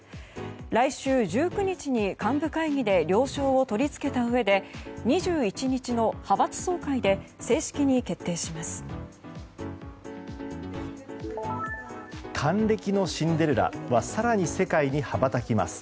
来週１９日に幹部会議で了承を取り付けたうえで２１日の派閥総会で正式に決定します。